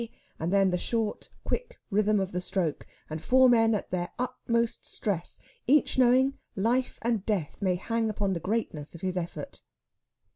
and then the short, quick rhythm of the stroke, and four men at their utmost stress, each knowing life and death may hang upon the greatness of his effort.